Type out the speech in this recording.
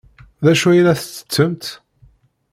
D acu ay la tettettemt?